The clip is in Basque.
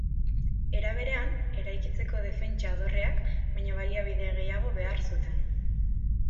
Era berean, eraikitzeko defentsa dorreak baino baliabide gehiago behar zuten.